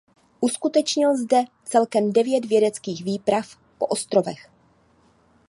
Uskutečnil zde celkem devět vědeckých výprav po ostrovech.